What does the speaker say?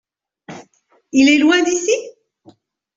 Il est loin d’ici ?